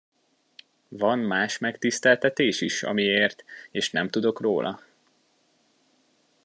Van más megtiszteltetés is, ami ért, és nem tudok róla?